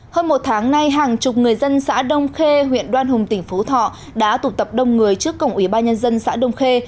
hơn một tháng nay hàng chục người dân xã đông khê huyện đoan hùng tỉnh phú thọ đã tụ tập đông người trước cổng ủy ban nhân dân xã đông khê